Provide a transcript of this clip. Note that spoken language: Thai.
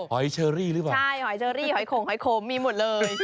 หอยเชอรี่หรือเปล่าใช่หอยเชอรี่หอยโขงหอยขมมีหมดเลย